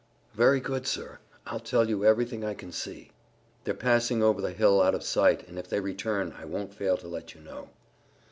"Very good, sir. I'll tell you everything I can see. They're passing over the hill out of sight, and if they return I won't fail to let you know."